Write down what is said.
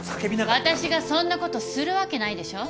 私がそんなことするわけないでしょ。